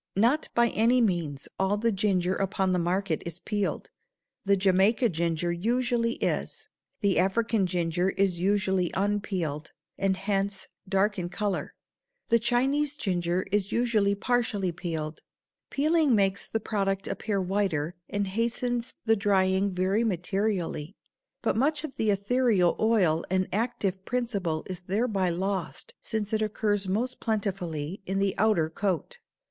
Not by any means all the ginger upon the market is peeled. The Jamaica ginger usually is; the African ginger is usually unpeeled, and hence dark in color; the Chinese ginger is usually partially peeled. Peeling makes the product appear whiter and hastens drying very materially, but much of the ethereal oil and active principle is thereby lost since it occurs most plentifully in the outer coat.